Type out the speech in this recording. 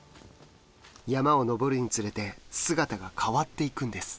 山を登るにつれて姿が変わっていくんです。